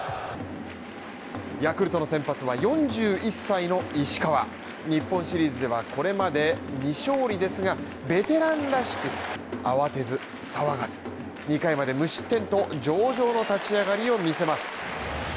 ヤクルトの先発は４１歳の石川日本シリーズではこれまで未勝利ですが、ベテランらしく、慌てず騒がず２回まで無失点と上々の立ち上がりを見せます。